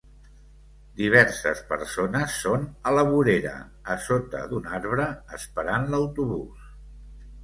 Diverses persones són a la vorera, a sota d'un arbre, esperant l'autobús.